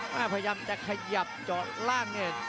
พยายามจะขยับจอดล่าง